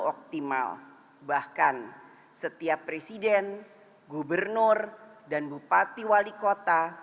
optimaliah bahkan setiap presiden gubernur dan berkembang di j romeo mengatakan kebetulan dasarnya